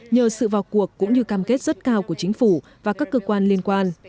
nhờ sự vào cuộc cũng như cam kết rất cao của chính phủ và các cơ quan liên quan